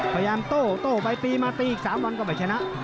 พยายามโต้ไปตีมาตี๓วันก็จะเฉนะ